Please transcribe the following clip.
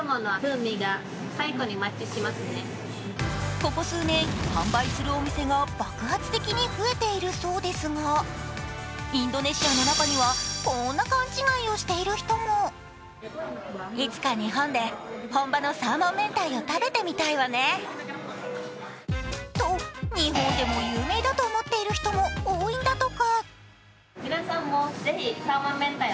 ここ数年、販売するお店が爆発的に増えているそうですがインドネシアの中には、こんな勘違いをしている人も。と、日本でも有名だと思っている人も多いんだとか。